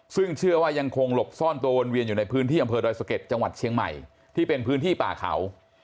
ซึ่งเชื่อว่ายังคงหลบซ่อนตัววนเวียนอยู่ในพื้นที่อำเภอดอยสะเก็ดจังหวัดเชียงใหม่ที่เป็นพื้นที่ป่าเขา